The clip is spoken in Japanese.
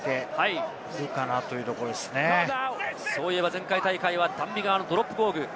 前回大会はダン・ビガーのドロップゴール。